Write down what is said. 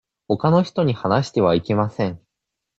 ほかの人に話してはいけません。